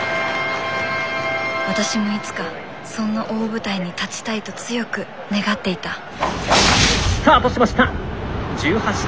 私もいつかそんな大舞台に立ちたいと強く願っていたスタートしました。